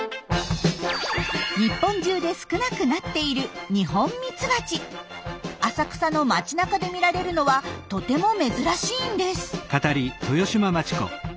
日本中で少なくなっている浅草の街なかで見られるのはとても珍しいんです。